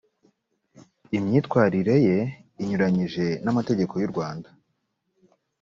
imyitwalire ye inyuranyije n’ amategeko y u rwanda